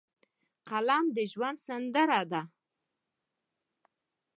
فلم د ژوند سندره ده